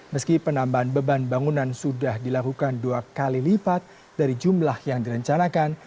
meski penambahan beban bangunan sudah dilakukan dua kali lipat dari jumlah yang direncanakan